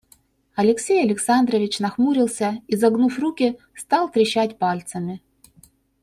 Алексей Александрович нахмурился и, загнув руки, стал трещать пальцами.